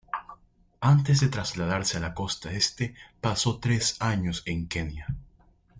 Antes de trasladarse a la costa Este, paso tres años en Kenia.